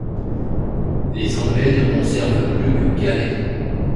Les Anglais ne conservent plus que Calais.